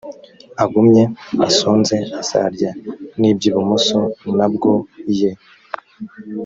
agumye asonze azarya n iby ibumoso na bwo ye